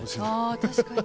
あ確かに。